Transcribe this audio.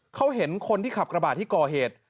เขาเห็นคนที่ขับกระบาดที่ก่อเหตุ